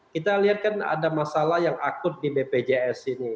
kita lihat kan ada masalah yang akut di bpjs ini